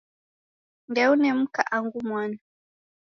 Ndeune mka angu mwana.